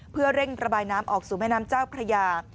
เพื่อเร่งระบายน้ำออกสู่แม่น้ำเจ้าพระยา